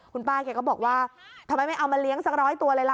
คุณป้าแกก็บอกว่าทำไมไม่เอามาเลี้ยงสักร้อยตัวเลยล่ะ